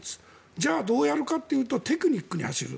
じゃあ、どうやるかっていうとテクニックに走る。